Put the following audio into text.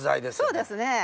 そうですね。